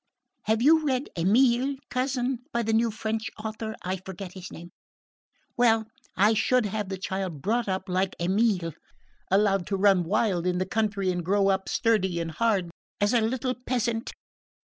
Have you read 'Emile,' cousin, by the new French author I forget his name? Well, I would have the child brought up like 'Emile,' allowed to run wild in the country and grow up sturdy and hard as a little peasant.